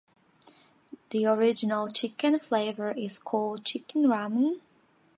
The original chicken flavor is called "Chikin Ramen".